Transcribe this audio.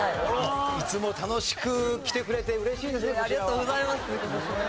いつも楽しく来てくれて嬉しいですねこちらは。